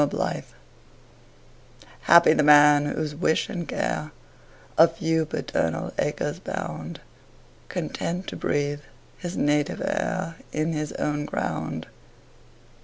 Y Z Solitude HAPPY the man, whose wish and care A few paternal acres bound, Content to breathe his native air In his own ground.